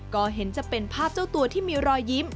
ก็เห็นจะเป็นภาพเจ้าตัวที่มีรอยยิ้ม